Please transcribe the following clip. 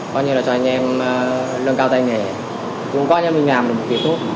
coi như là cho anh em lân cao tay nghề cũng coi như là mình làm được một việc tốt